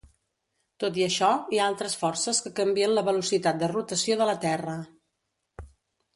Tot i això, hi ha altres forces que canvien la velocitat de rotació de la Terra.